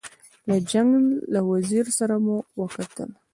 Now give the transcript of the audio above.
له جنګ له وزیر سره مو وکتل.